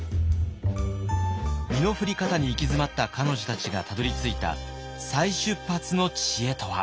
身の振り方に行き詰まった彼女たちがたどりついた再出発の知恵とは。